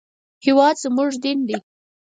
هېواد زموږ دین دی